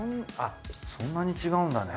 そんなに違うんだね。